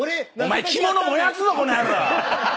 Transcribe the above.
お前着物燃やすぞこの野郎！